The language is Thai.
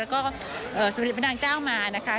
และก็สำเร็จพระนางเจ้ามานะครับ